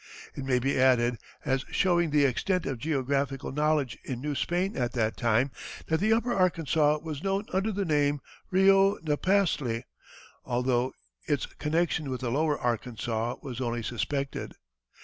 It may be added, as showing the extent of geographical knowledge in New Spain at that time, that the upper Arkansas was known under the name Rio Napestle, although its connection with the lower Arkansas was only suspected.